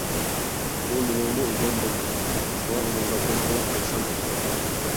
ئۇ مېنىڭمۇ ئىگەم بولىدۇ، شۇڭا ئۇنىڭغا كۆز - قۇلاق بولسام بولاتتى.